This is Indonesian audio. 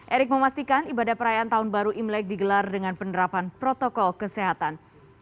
erick memastikan ibadah perayaan tahun baru imlek digelar dengan penerapan protokol kesehatan